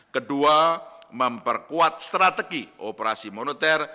kedua memperkuat strategi operasi moneter